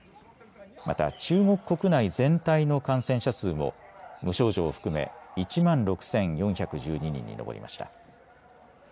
また中国国内全体の感染者数も無症状を含め１万６４１２人に上りました。